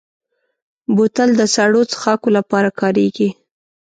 بوتل د سړو څښاکو لپاره کارېږي.